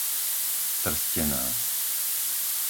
Trstená